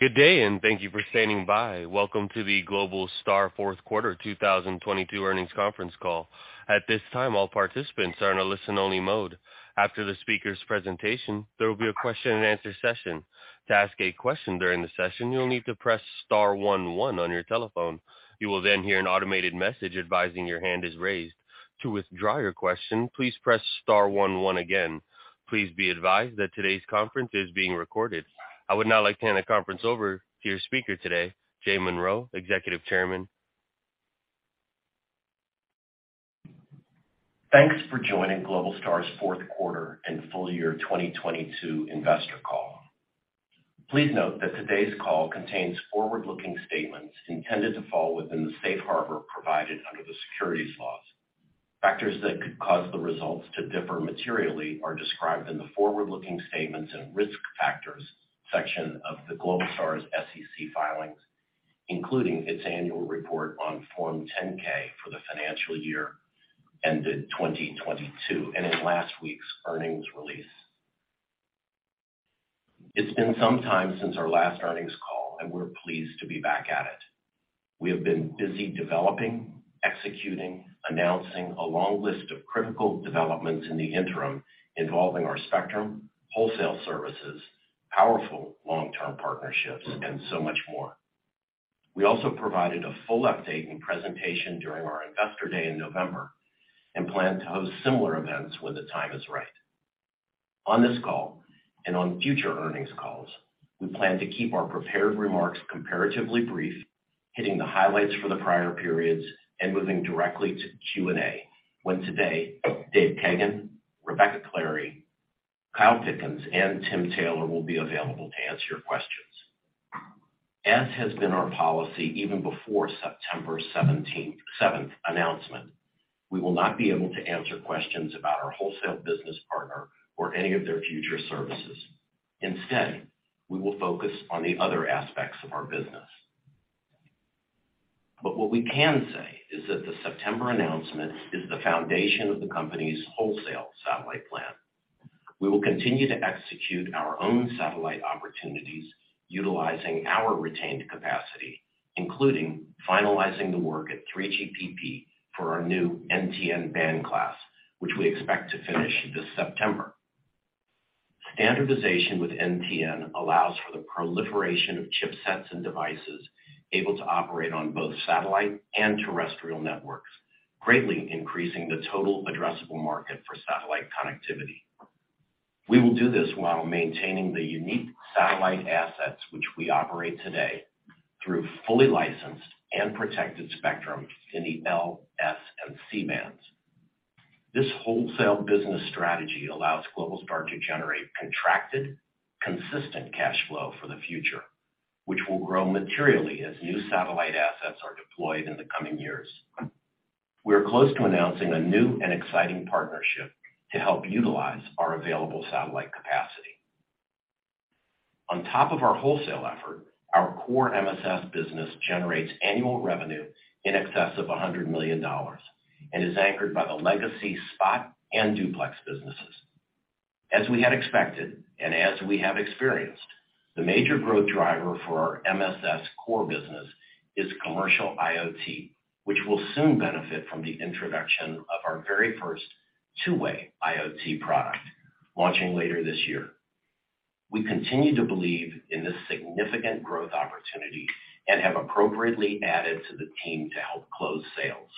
Good day, and thank you for standing by. Welcome to the Globalstar fourth quarter 2022 earnings conference call. At this time, all participants are in a listen-only mode. After the speaker's presentation, there will be a question-and-answer session. To ask a question during the session, you'll need to press star one one on your telephone. You will then hear an automated message advising your hand is raised. To withdraw your question, please press star one one again. Please be advised that today's conference is being recorded. I would now like to hand the conference over to your speaker today, Jay Monroe, Executive Chairman. Thanks for joining Globalstar's fourth quarter and full-year 2022 investor call. Please note that today's call contains forward-looking statements intended to fall within the safe harbor provided under the securities laws. Factors that could cause the results to differ materially are described in the forward-looking statements and risk factors section of Globalstar's SEC filings, including its annual report on Form 10-K for the financial year ended 2022, and in last week's earnings release. It's been some time since our last earnings call. We're pleased to be back at it. We have been busy developing, executing, announcing a long list of critical developments in the interim involving our spectrum, wholesale services, powerful long-term partnerships, and so much more. We also provided a full update and presentation during our investor day in November and plan to host similar events when the time is right. On this call and on future earnings calls, we plan to keep our prepared remarks comparatively brief, hitting the highlights for the prior periods and moving directly to Q&A. When today, Dave Kagan, Rebecca Clary, Kyle Pickens, and Tim Taylor will be available to answer your questions. As has been our policy even before September 7th announcement, we will not be able to answer questions about our wholesale business partner or any of their future services. Instead, we will focus on the other aspects of our business. What we can say is that the September announcement is the foundation of the company's wholesale satellite plan. We will continue to execute our own satellite opportunities utilizing our retained capacity, including finalizing the work at 3GPP for our new NTN band class, which we expect to finish this September. Standardization with NTN allows for the proliferation of chipsets and devices able to operate on both satellite and terrestrial networks, greatly increasing the total addressable market for satellite connectivity. We will do this while maintaining the unique satellite assets which we operate today through fully licensed and protected spectrum in the L, S, and C bands. This wholesale business strategy allows Globalstar to generate contracted, consistent cash flow for the future, which will grow materially as new satellite assets are deployed in the coming years. We are close to announcing a new and exciting partnership to help utilize our available satellite capacity. On top of our wholesale effort, our core MSS business generates annual revenue in excess of $100 million and is anchored by the legacy SPOT and Duplex businesses. As we had expected and as we have experienced, the major growth driver for our MSS core business is commercial IoT, which will soon benefit from the introduction of our very first two-way IoT product launching later this year. We continue to believe in this significant growth opportunity and have appropriately added to the team to help close sales.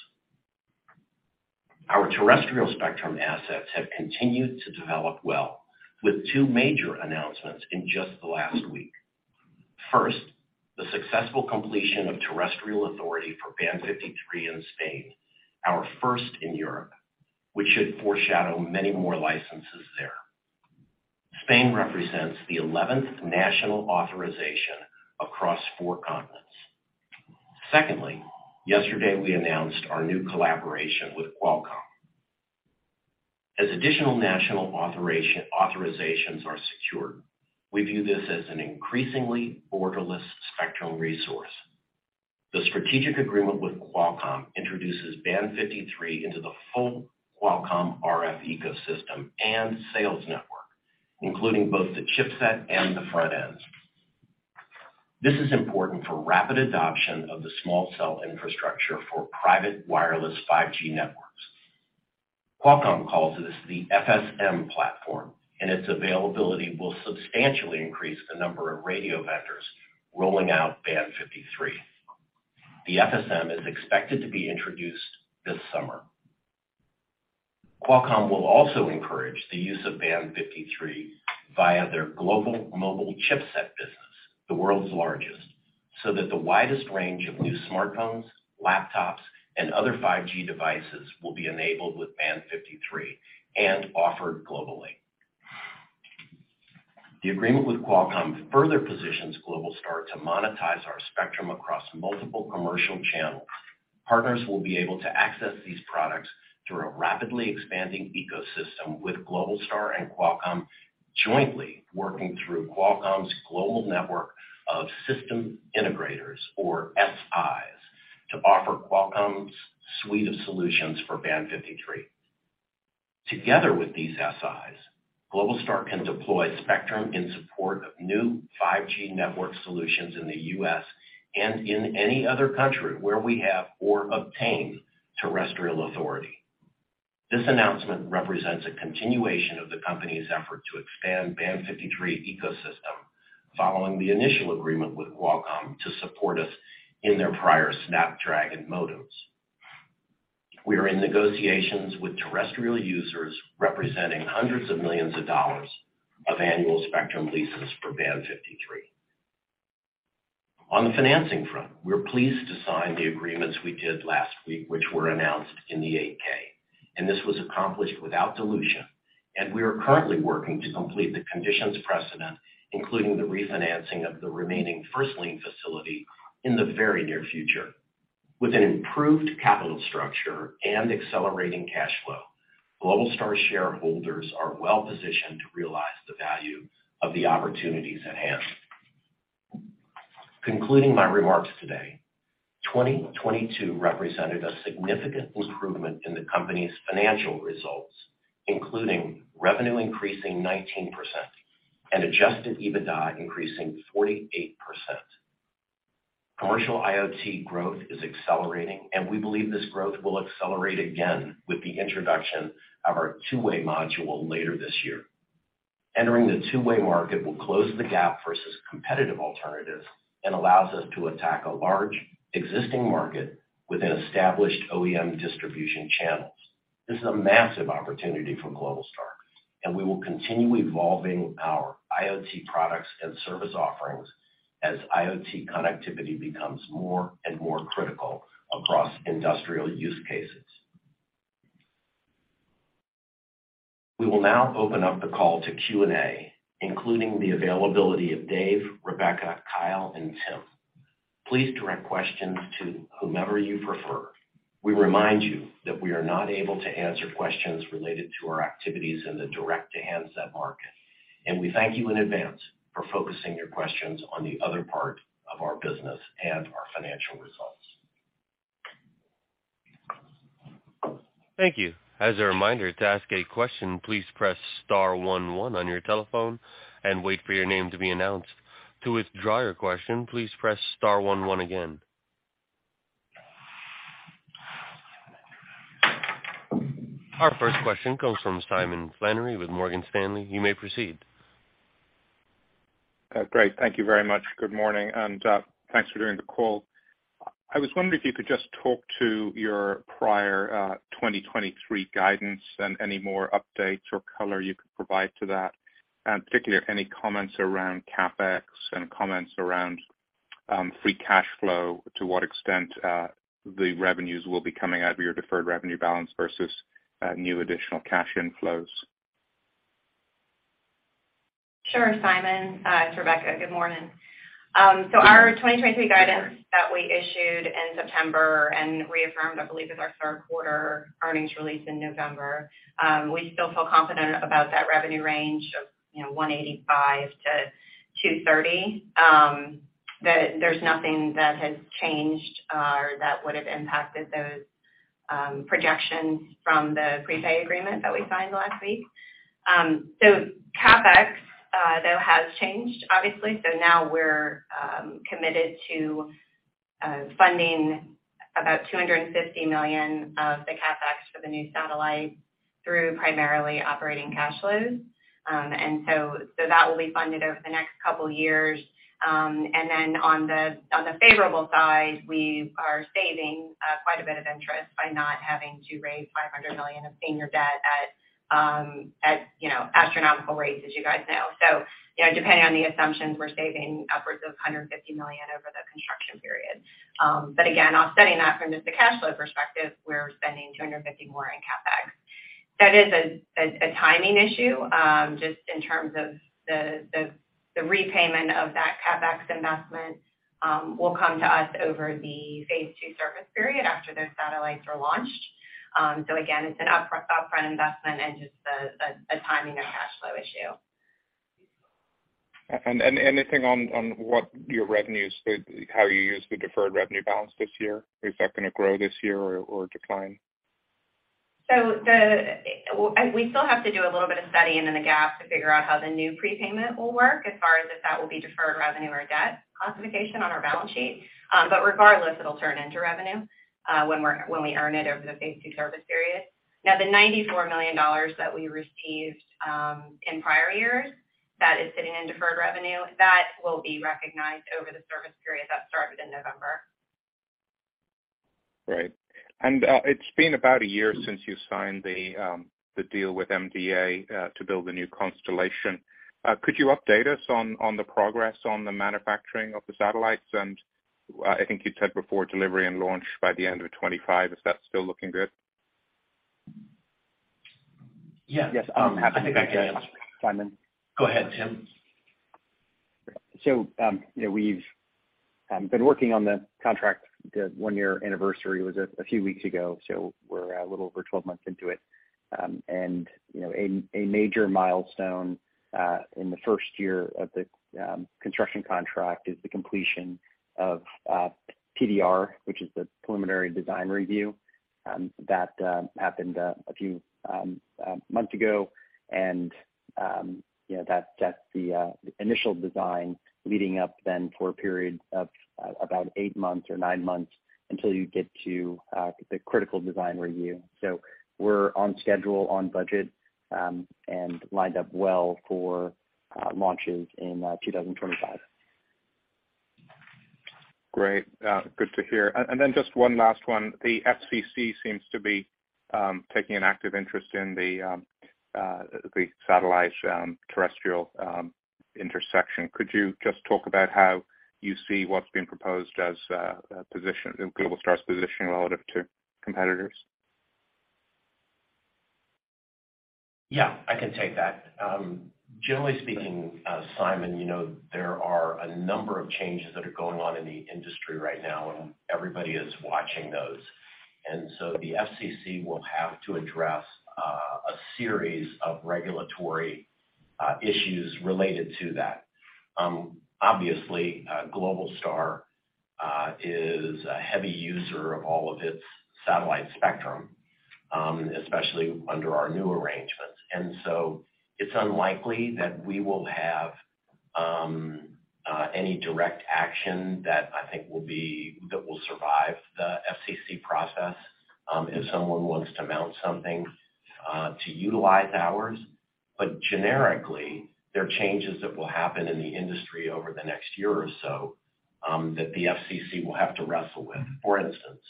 Our terrestrial spectrum assets have continued to develop well with two major announcements in just the last week. First, the successful completion of terrestrial authority for Band 53 in Spain, our first in Europe, which should foreshadow many more licenses there. Spain represents the eleventh national authorizations are secured, we view this as an increasingly borderless spectrum resource. Secondly, yesterday, we announced our new collaboration with Qualcomm. As additional national authorizations are secured, we view this as an increasingly borderless spectrum resource. The strategic agreement with Qualcomm introduces Band 53 into the full Qualcomm RF ecosystem and sales network, including both the chipset and the front ends. This is important for rapid adoption of the small cell infrastructure for private wireless 5G networks. Qualcomm calls this the FSM platform, and its availability will substantially increase the number of radio vendors rolling out Band 53. The FSM is expected to be introduced this summer. Qualcomm will also encourage the use of Band 53 via their global mobile chipset business, the world's largest, so that the widest range of new smartphones, laptops, and other 5G devices will be enabled with Band 53 and offered globally. The agreement with Qualcomm further positions Globalstar to monetize our spectrum across multiple commercial channels. Partners will be able to access these products through a rapidly expanding ecosystem with Globalstar and Qualcomm jointly working through Qualcomm's global network of System Integrators or SIs to offer Qualcomm's suite of solutions for Band 53. With these SIs, Globalstar can deploy spectrum in support of new 5G network solutions in the U.S. and in any other country where we have or obtain terrestrial authority. This announcement represents a continuation of the company's effort to expand Band 53 ecosystem following the initial agreement with Qualcomm to support us in their prior Snapdragon modems. We are in negotiations with terrestrial users representing hundreds of millions of dollars of annual spectrum leases for Band 53. On the financing front, we're pleased to sign the agreements we did last week, which were announced in the 8-K. This was accomplished without dilution. We are currently working to complete the conditions precedent, including the refinancing of the remaining first lien facility in the very near future. With an improved capital structure and accelerating cash flow, Globalstar shareholders are well-positioned to realize the value of the opportunities at hand. Concluding my remarks today, 2022 represented a significant improvement in the company's financial results, including revenue increasing 19% and adjusted EBITDA increasing 48%. Commercial IoT growth is accelerating, and we believe this growth will accelerate again with the introduction of our two-way module later this year. Entering the two-way market will close the gap versus competitive alternatives and allows us to attack a large existing market with an established OEM distribution channels. This is a massive opportunity for Globalstar, and we will continue evolving our IoT products and service offerings as IoT connectivity becomes more and more critical across industrial use cases. We will now open up the call to Q&A, including the availability of Dave, Rebecca, Kyle, and Tim. Please direct questions to whomever you prefer. We remind you that we are not able to answer questions related to our activities in the direct-to-handset market, and we thank you in advance for focusing your questions on the other part of our business and our financial results. Thank you. As a reminder to ask a question, please press star one one on your telephone and wait for your name to be announced. To withdraw your question, please press star one one again. Our first question comes from Simon Flannery with Morgan Stanley. You may proceed. Great. Thank you very much. Good morning, and thanks for doing the call. I was wondering if you could just talk to your prior, 2023 guidance and any more updates or color you could provide to that, and particularly any comments around CapEx and comments around free cash flow, to what extent the revenues will be coming out of your deferred revenue balance versus new additional cash inflows. Sure, Simon. It's Rebecca. Good morning. Our 2023 guidance that we issued in September and reaffirmed, I believe, is our third quarter earnings release in November. We still feel confident about that revenue range of, you know, $185 million-$230 million, that there's nothing that has changed or that would have impacted those projections from the Prepayment Agreement that we signed last week. CapEx, though, has changed obviously. Now we're committed to funding about $250 million of the CapEx for the new satellites through primarily operating cash flows. That will be funded over the next couple of years. On the favorable side, we are saving quite a bit of interest by not having to raise $500 million of senior debt at astronomical rates as you guys know. Depending on the assumptions, we're saving upwards of $150 million over the construction period. Offsetting that from just the cash flow perspective, we're spending $250 more in CapEx. That is a timing issue, just in terms of the repayment of that CapEx investment will come to us over the phase two service period after those satellites are launched. It's an upfront investment and just a timing and cash flow issue. Anything on what your revenues, how you use the deferred revenue balance this year? Is that gonna grow this year or decline? We still have to do a little bit of study and then the GAAP to figure out how the new prepayment will work as far as if that will be deferred revenue or debt classification on our balance sheet. Regardless, it'll turn into revenue when we earn it over the phase II service period. The $94 million that we received in prior years, that is sitting in deferred revenue, that will be recognized over the service period that started in November. Great. It's been about a year since you signed the deal with MDA, to build a new constellation. Could you update us on the progress on the manufacturing of the satellites? I think you said before delivery and launch by the end of 2025. Is that still looking good? Yeah. Yes. I'm happy. I think I can answer. Simon. Go ahead, Tim. you know, we've been working on the contract. The one-year anniversary was a few weeks ago, so we're a little over 12 months into it. you know, a major milestone in the 1st year of the construction contract is the completion of PDR, which is the preliminary design review, that happened a few months ago. You know, that's just the initial design leading up then for a period of about eight months or nine months until you get to the critical design review. We're on schedule, on budget, and lined up well for launches in 2025. Great. Good to hear. Then just one last one. The FCC seems to be taking an active interest in the satellite terrestrial intersection. Could you just talk about how you see what's being proposed as Globalstar's positioning relative to competitors? Yeah, I can take that. Generally speaking, Simon, you know, there are a number of changes that are going on in the industry right now, and everybody is watching those. The FCC will have to address a series of regulatory issues related to that. Obviously, Globalstar is a heavy user of all of its satellite spectrum, especially under our new arrangements. It's unlikely that we will have any direct action that I think that will survive the FCC process, if someone wants to mount something to utilize ours. Generically, there are changes that will happen in the industry over the next year or so, that the FCC will have to wrestle with. For instance,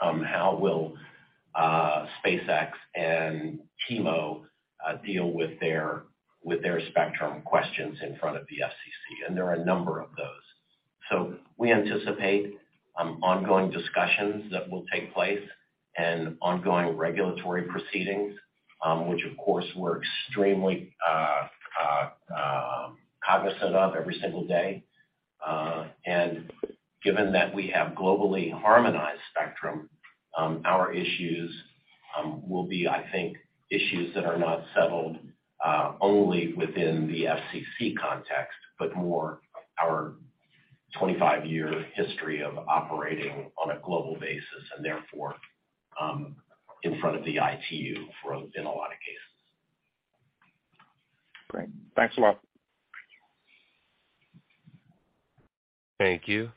how will SpaceX and T-Mobile deal with their spectrum questions in front of the FCC? There are a number of those. We anticipate ongoing discussions that will take place and ongoing regulatory proceedings, which, of course, we're extremely cognizant of every single day. Given that we have globally harmonized spectrum, our issues will be, I think, issues that are not settled only within the FCC context, but more our 25-year history of operating on a global basis, and therefore, in front of the ITU in a lot of cases. Great. Thanks a lot. Thank you.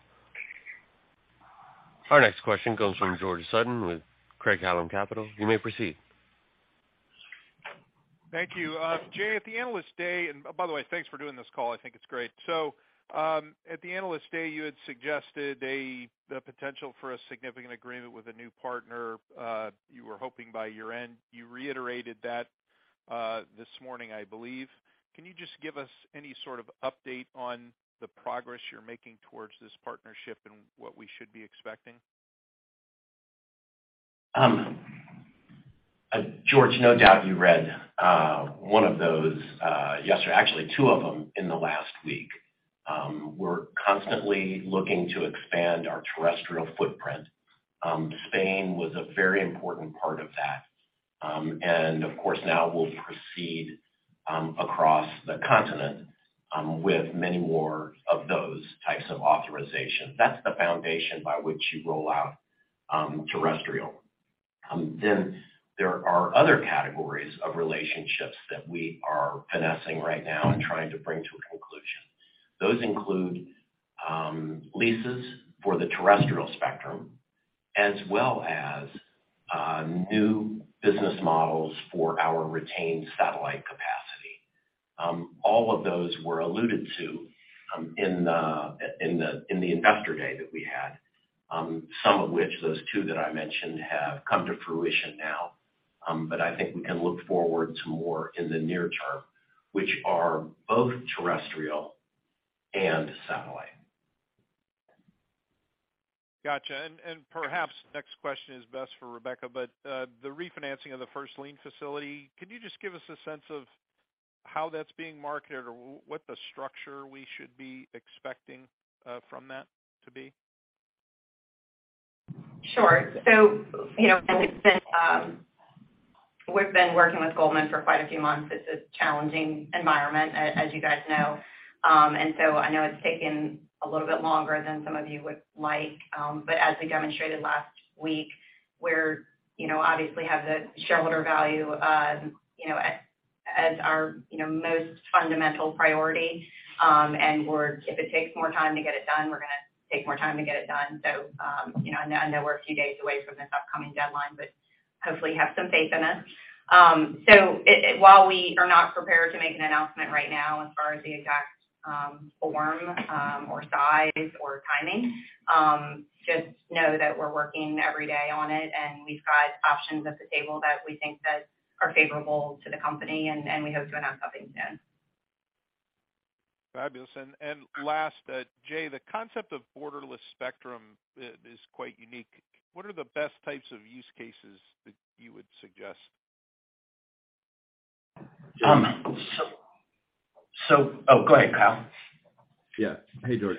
Our next question comes from George Sutton with Craig-Hallum Capital. You may proceed. Thank you. Jay, at the Analyst Day. By the way, thanks for doing this call. I think it's great. At the Analyst Day, you had suggested the potential for a significant agreement with a new partner, you were hoping by year-end. You reiterated that this morning, I believe. Can you just give us any sort of update on the progress you're making towards this partnership and what we should be expecting? George, no doubt you read one of those yesterday, actually two of them in the last week. We're constantly looking to expand our terrestrial footprint. Spain was a very important part of that. Of course, now we'll proceed across the continent with many more of those types of authorizations. That's the foundation by which you roll out terrestrial. There are other categories of relationships that we are finessing right now and trying to bring to a conclusion. Those include leases for the terrestrial spectrum, as well as new business models for our retained satellite capacity. All of those were alluded to in the in the in the Investor Day that we had, some of which, those two that I mentioned, have come to fruition now. I think we can look forward to more in the near term, which are both terrestrial and satellite. Gotcha. Perhaps next question is best for Rebecca, but the refinancing of the first lien facility, can you just give us a sense of how that's being marketed or what the structure we should be expecting from that to be? Sure. You know, as we've been working with Goldman for quite a few months. It's a challenging environment, as you guys know. I know it's taken a little bit longer than some of you would like. As we demonstrated last week, we're, you know, obviously have the shareholder value, you know, as our, you know, most fundamental priority. If it takes more time to get it done, we're gonna take more time to get it done. You know, I know we're a few days away from this upcoming deadline, but hopefully you have some faith in us. While we are not prepared to make an announcement right now as far as the exact form or size or timing, just know that we're working every day on it and we've got options at the table that we think that are favorable to the company, and we hope to announce something soon. Fabulous. Last, Jay, the concept of borderless spectrum is quite unique. What are the best types of use cases that you would suggest? Oh, go ahead, Kyle. Hey, George.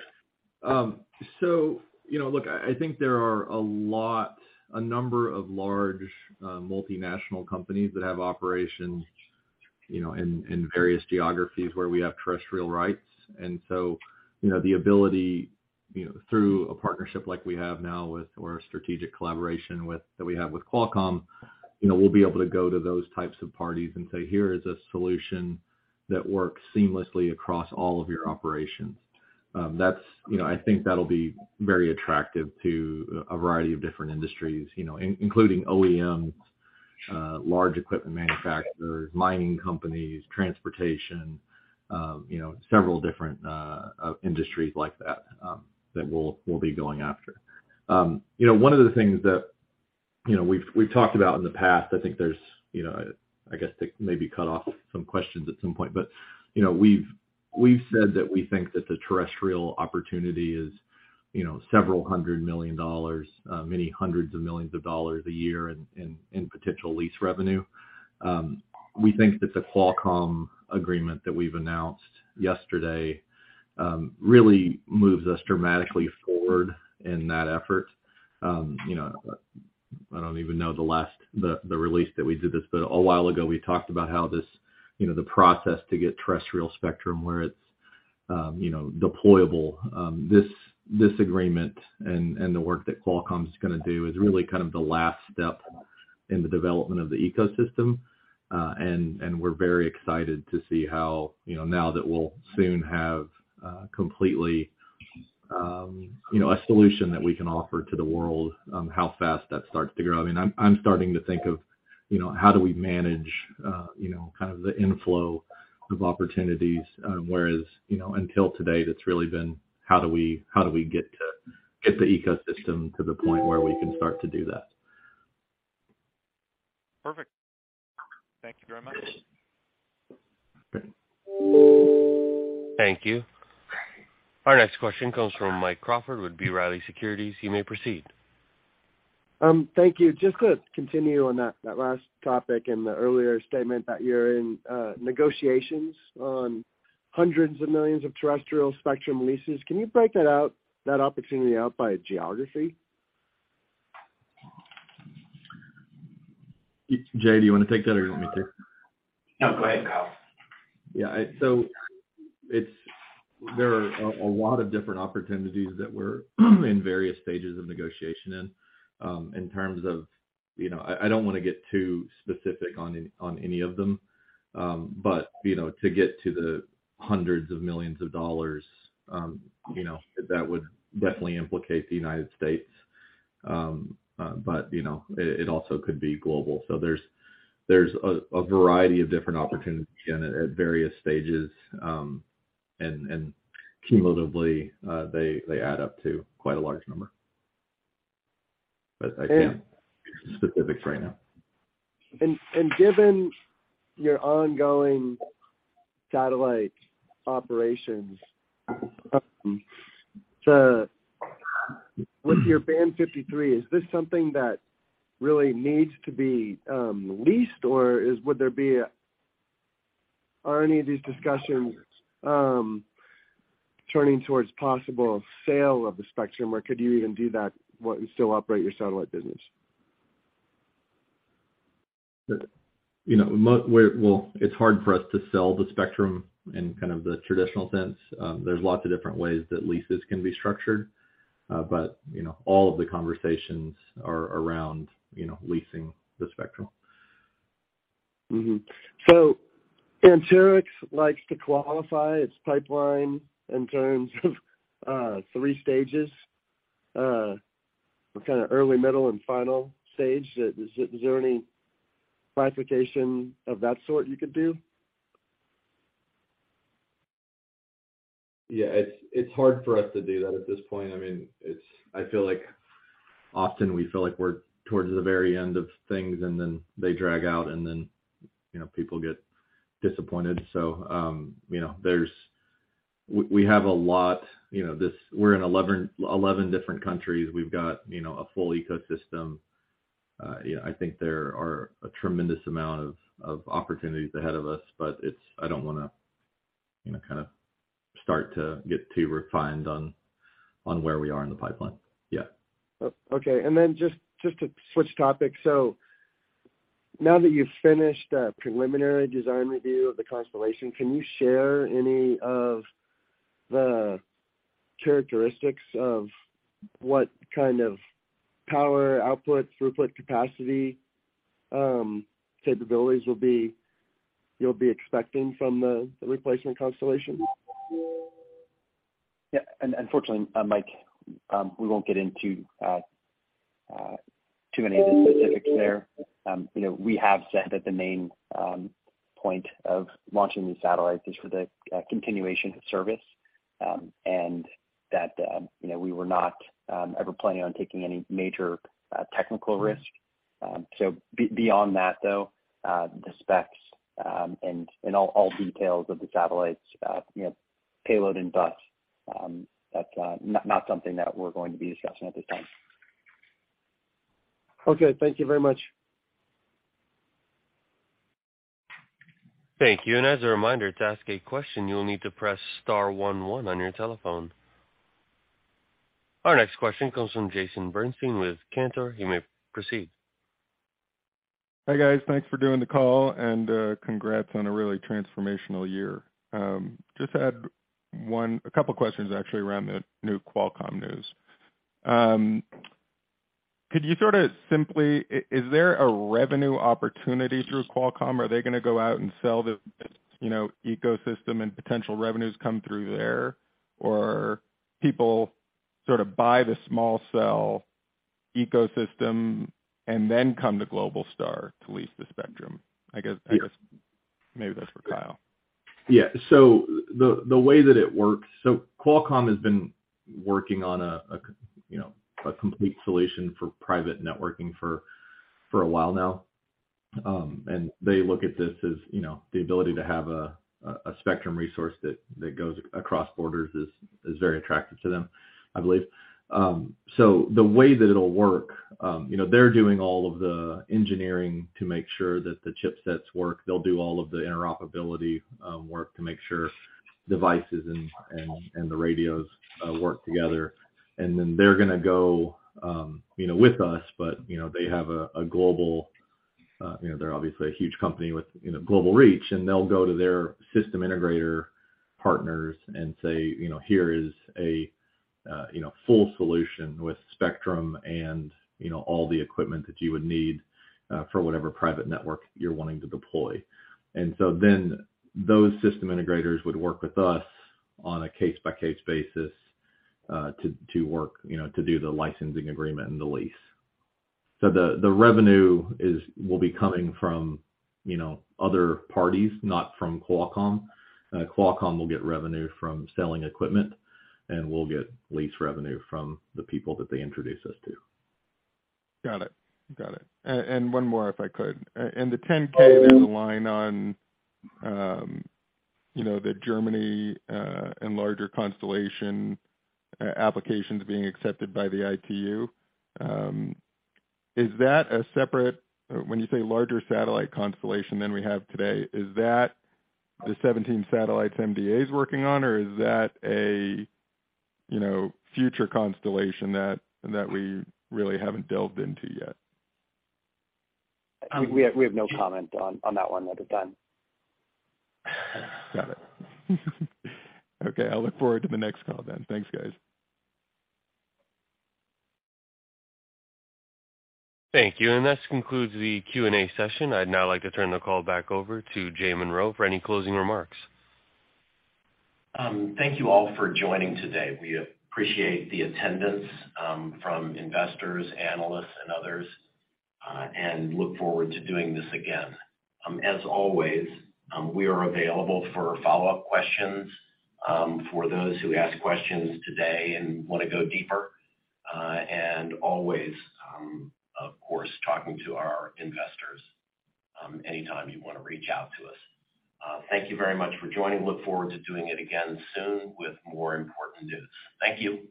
You know, look, I think there are a number of large multinational companies that have operations, you know, in various geographies where we have terrestrial rights. You know, through a partnership like we have now that we have with Qualcomm, you know, we'll be able to go to those types of parties and say, "Here is a solution that works seamlessly across all of your operations." That's, you know, I think that'll be very attractive to a variety of different industries, you know, including OEMs, large equipment manufacturers, mining companies, transportation, you know, several different industries like that that we'll be going after. You know, one of the things that, you know, we've talked about in the past, I think there's, you know, I guess they maybe cut off some questions at some point. You know, we've said that we think that the terrestrial opportunity is, you know, several hundred million dollars, many hundreds of millions of dollars a year in, in potential lease revenue. We think that the Qualcomm agreement that we've announced yesterday really moves us dramatically forward in that effort. You know, I don't even know the release that we did this, but a while ago, we talked about how this, you know, the process to get terrestrial spectrum where it's, you know, deployable. This agreement and the work that Qualcomm is gonna do is really kind of the last step in the development of the ecosystem. We're very excited to see how, you know, now that we'll soon have, completely, you know, a solution that we can offer to the world on how fast that starts to grow. I mean, I'm starting to think of, you know, how do we manage, you know, kind of the inflow of opportunities? Until today, that's really been how do we get the ecosystem to the point where we can start to do that. Perfect. Thank you very much. Thank you. Our next question comes from Mike Crawford with B. Riley Securities. You may proceed. Thank you. Just to continue on that last topic in the earlier statement that you're in, negotiations on hundreds of millions of terrestrial spectrum leases. Can you break that opportunity out by geography? Jay, do you wanna take that or do you want me to? No, go ahead, Kyle. Yeah. It's there are a lot of different opportunities that we're in various stages of negotiation in terms of. You know, I don't wanna get too specific on any of them. You know, to get to the hundreds of millions of dollars, you know, that would definitely implicate the United States. You know, it also could be global. There's a variety of different opportunities again at various stages, and, cumulatively, they add up to quite a large number. I can't. And- Give you specifics right now. Given your ongoing satellite operations, With your Band 53, is this something that really needs to be leased, or Are any of these discussions turning towards possible sale of the spectrum, or could you even do that while you still operate your satellite business? You know, Well, it's hard for us to sell the spectrum in kind of the traditional sense. There's lots of different ways that leases can be structured, you know, all of the conversations are around, you know, leasing the spectrum. Anterix likes to qualify its pipeline in terms of three stages, what kind of early, middle, and final stage. Is there any classification of that sort you could do? Yeah. It's, it's hard for us to do that at this point. I mean, I feel like often we feel like we're towards the very end of things, and then they drag out, and then, you know, people get disappointed. You know, We have a lot. You know, We're in 11 different countries. We've got, you know, a full ecosystem. You know, I think there are a tremendous amount of opportunities ahead of us, but I don't wanna, you know, kind of start to get too refined on where we are in the pipeline. Yeah. Oh, okay. Just to switch topics. Now that you've finished a preliminary design review of the constellation, can you share any of the characteristics of what kind of power output, throughput capacity, capabilities you'll be expecting from the replacement constellation? Yeah. Unfortunately, Mike, we won't get into too many of the specifics there. You know, we have said that the main point of launching these satellites is for the continuation of service, and that, you know, we were not ever planning on taking any major technical risk. Beyond that, though, the specs, and all details of the satellites, you know, payload and bus, that's not something that we're going to be discussing at this time. Okay. Thank you very much. Thank you. As a reminder, to ask a question, you will need to press star one one on your telephone. Our next question comes from Jason Bernstein with Cantor. You may proceed. Hi, guys. Thanks for doing the call, congrats on a really transformational year. Just had a couple questions actually around the new Qualcomm news. Could you sort of simply, is there a revenue opportunity through Qualcomm? Are they gonna go out and sell the, you know, ecosystem and potential revenues come through there? People sort of buy the small cell ecosystem and then come to Globalstar to lease the spectrum, I guess? Yeah. I guess maybe that's for Kyle. Yeah. The way that it works, so Qualcomm has been working on a complete solution for private networking for a while now. They look at this as, you know, the ability to have a spectrum resource that goes across borders is very attractive to them, I believe. The way that it'll work, you know, they're doing all of the engineering to make sure that the chipsets work. They'll do all of the interoperability work to make sure devices and the radios work together. Then they're gonna go, you know, with us. They have a global. you know, they're obviously a huge company with, you know, global reach. They'll go to their System Integrator partners and say, you know, "Here is a, you know, full solution with spectrum and, you know, all the equipment that you would need for whatever private network you're wanting to deploy." Those System Integrators would work with us on a case-by-case basis to work, you know, to do the licensing agreement and the lease. The revenue will be coming from, you know, other parties, not from Qualcomm. Qualcomm will get revenue from selling equipment, and we'll get lease revenue from the people that they introduce us to. Got it. Got it. One more, if I could. In the 10-K, there's a line on, you know, the Germany and larger constellation applications being accepted by the ITU. When you say larger satellite constellation than we have today, is that the 17 satellites MDA is working on, or is that a, you know, future constellation that we really haven't delved into yet? We have no comment on that one at the time. Got it. Okay, I'll look forward to the next call then. Thanks, guys. Thank you. This concludes the Q&A session. I'd now like to turn the call back over to Jay Monroe for any closing remarks. Thank you all for joining today. We appreciate the attendance from investors, analysts and others, and look forward to doing this again. As always, we are available for follow-up questions for those who ask questions today and wanna go deeper. Always, of course, talking to our investors anytime you wanna reach out to us. Thank you very much for joining. Look forward to doing it again soon with more important news. Thank you.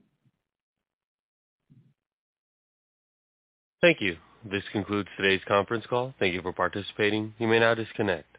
Thank you. This concludes today's conference call. Thank you for participating. You may now disconnect.